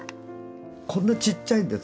こんなちっちゃいんです。